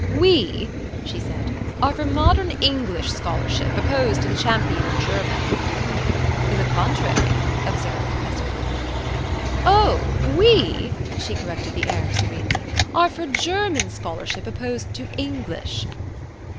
"We," she said, "are for modern English scholarship, opposed to the champion of German." "The contrary," observed Professor Crooklyn. "Oh! We," she corrected the error serenely, "are for German scholarship opposed to English."